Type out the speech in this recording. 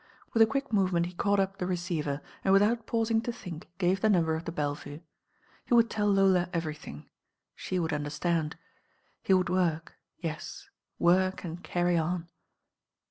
With a quick movement he caught up the receiver and, without pauiing to think, gave the number of the Belle Vue. He would tell Lola everything. She would underttand. He would work, yet, work and carry on.